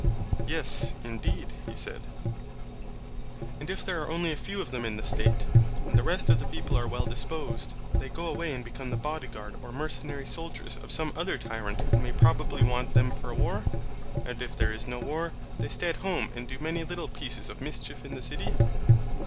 Yes, indeed, he said. And if there are only a few of them in the State, and the rest of the people are well disposed, they go away and become the body guard or mercenary soldiers of some other tyrant who may probably want them for a war; and if there is no war, they stay at home and do many little pieces of mischief in the city.